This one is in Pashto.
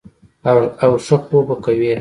او ښۀ خوب به کوي -